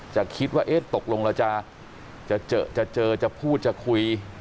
จะคิดว่าตกลงแล้วจะเจอจะพูดจะคุย